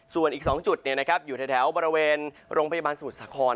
ส่วนอีก๒จุดอยู่แถวบริเวณโรงพยาบาลสมุทรสาคร